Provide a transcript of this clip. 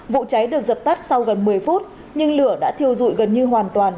vụ cháy được dập tắt sau gần một mươi phút nhưng lửa đã thiêu dụi gần như hoàn toàn